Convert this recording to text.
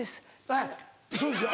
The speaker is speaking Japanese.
はいそうですよ。